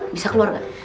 bisa keluar gak